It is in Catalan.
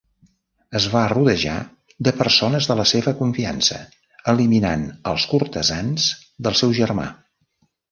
Es va rodejar de persones de la seva confiança eliminant als cortesans del seu germà.